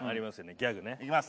ギャグねいきます